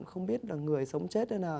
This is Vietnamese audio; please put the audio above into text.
không biết là người sống chết hay nào